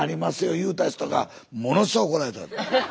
言うた人がものすごい怒られた。